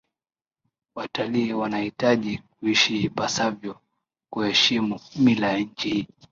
watalii wanahitaji kuishi ipasavyo kuheshimu mila ya nchi hii